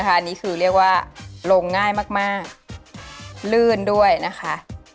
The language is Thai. เรียกว่าลงง่ายมากลื่นด้วยนะคะ